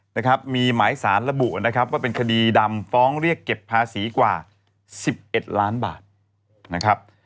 นะครับมีหมายสารระบุนะครับว่าเป็นคดีดำฟ้องเรียกเก็บภาษีกว่า๑๑ล้านบาทนะครับ